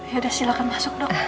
yaudah silahkan masuk dok